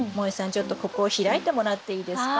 ちょっとここを開いてもらっていいですか？